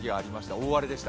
大荒れでした。